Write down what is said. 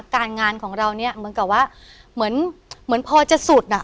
การงานของเราเนี่ยเหมือนกับว่าเหมือนเหมือนพอจะสุดอ่ะ